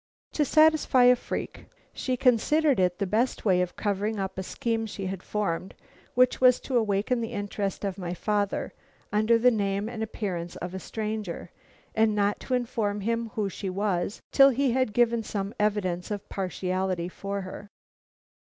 "To satisfy a freak. She considered it the best way of covering up a scheme she had formed; which was to awaken the interest of my father under the name and appearance of a stranger, and not to inform him who she was till he had given some evidence of partiality for her."